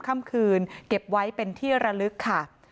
เก็บไว้เป็นที่ระลึกค่ะ